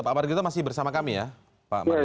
pak margarito masih bersama kami ya pak margarito